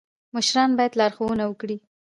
مشران باید لارښوونه وکړي